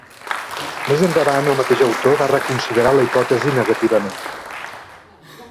Més endavant el mateix autor va reconsiderar la hipòtesi negativament.